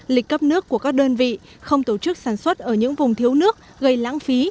lịch cấp nước của các đơn vị không tổ chức sản xuất ở những vùng thiếu nước gây lãng phí